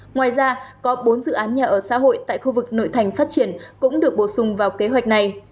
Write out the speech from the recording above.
ngoài ra có bốn dự án nhà ở xã hội tại khu vực nội thành phát triển cũng được bổ sung vào kế hoạch này